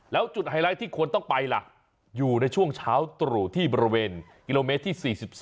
แล้วจุดไฮไลท์ที่ควรต้องไปล่ะอยู่ในช่วงเช้าตรู่ที่บริเวณกิโลเมตรที่๔๒